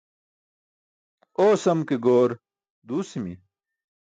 Oosam ke goor duusi̇mi̇.